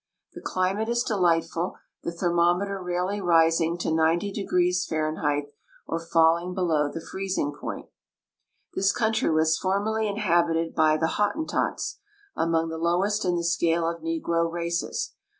The climate is delightful, the thermometer rarely rising to 90° Fah. or falling below the freezing point. This country was formerly inhabited by the Hottentots, among the lowest in the .scale of negro races.